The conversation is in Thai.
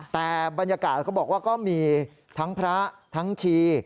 แต่บรรยากาศเขาบอกว่าก็มีทั้งพระทั้งชี